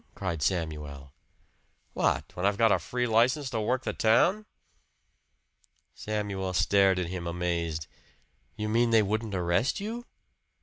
cried Samuel. "What! When I've got a free license to work the town?" Samuel stared at him, amazed. "You mean they wouldn't arrest you?"